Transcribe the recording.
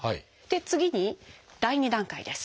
次に第２段階です。